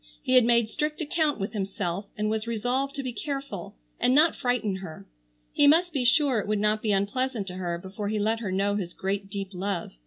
He had made strict account with himself and was resolved to be careful and not frighten her. He must be sure it would not be unpleasant to her before he let her know his great deep love.